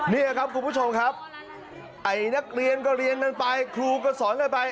นี่ครับคุณผู้ชมครับไอ้นักเรียนก็เรียนกันไปครูก็สอนกันไป